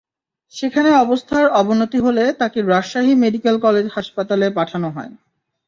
সেখানে অবস্থার অবনতি হলে তাঁকে রাজশাহী মেডিকেল কলেজ হাসপাতালে পাঠানো হয়।